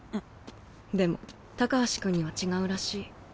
でも高橋君には違うらしい。